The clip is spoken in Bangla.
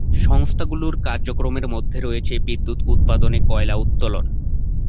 সংস্থাগুলির কার্যক্রমের মধ্যে রয়েছে বিদ্যুৎ উৎপাদনে কয়লা উত্তোলন।